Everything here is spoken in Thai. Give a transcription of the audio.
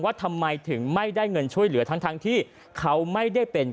ทำไมถึงไม่ได้เงินช่วยเหลือทั้งที่เขาไม่ได้เป็น